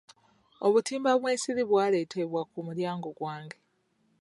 Obutimba bw'ensiri bwaletebwa ku mulyango gwange.